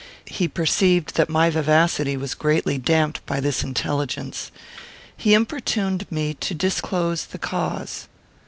He perceived that my vivacity was greatly damped by this intelligence. He importuned me to disclose the cause.